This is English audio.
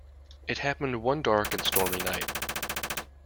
It happened one dark and stormy night.